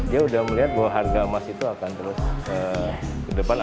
dia sudah melihat bahwa harga emas itu akan terus ke depan